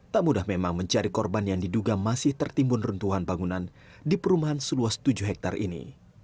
tak mudah memang mencari korban yang diduga masih tertimbun runtuhan bangunan di perumahan seluas tujuh hektare ini